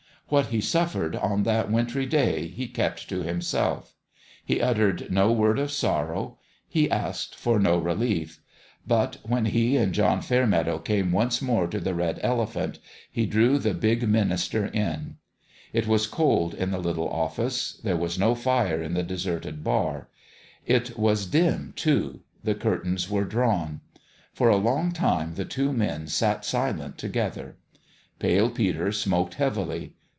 What he suffered on that wintry day he kept to himself. He uttered no word of sorrow ; he asked for no 328 THE END OF THE GAME relief. But when he and John Fairmeadow came once more to the Red Elephant, he drew the big minister in. It was cold in the little office : there was no fire in the deserted bar. It was dim, too : the curtains were drawn. For a long time the two men sat silent together. Pale Peter smoked heavily.